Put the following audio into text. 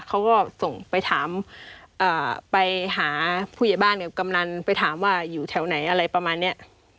เขาก็ส่งไปถามไปหาผู้ใหญ่บ้านกับกำนันไปถามว่าอยู่แถวไหนอะไรประมาณนี้